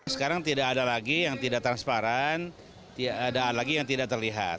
sekarang tidak ada lagi yang tidak transparan ada lagi yang tidak terlihat